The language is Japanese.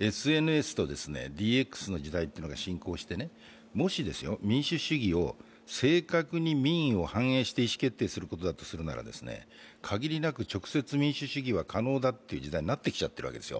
ＳＮＳとＤＸの時代が進行してもし民主主義を正確に民意を反映して意思決定することだとすると限りなく直接民主主義は可能だという時代になってきちゃってるわけですよ。